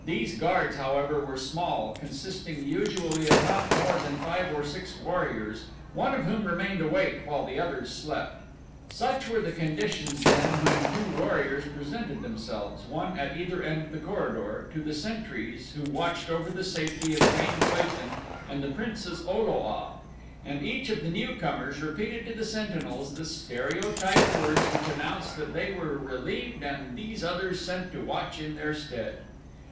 These guards, however, were small, consisting usually of not more than five or six warriors, one of whom remained awake while the others slept. Such were the conditions then when two warriors presented themselves, one at either end of the corridor, to the sentries who watched over the safety of Jane Clayton and the Princess O lo a, and each of the newcomers repeated to the sentinels the stereotyped words which announced that they were relieved and these others sent to watch in their stead.